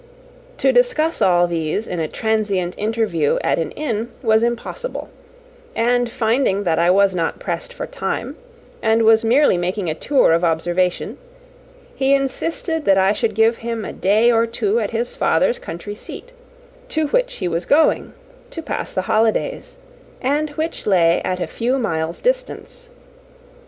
To discuss all these in a transient interview at an inn was impossible; and finding that I was not pressed for time, and was merely making a tour of observation, he insisted that I should give him a day or two at his father's country seat, to which he was going to pass the holidays, and which lay at a few miles' distance.